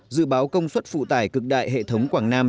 dự báo công suất phụ tải cực đại hệ thống quảng nam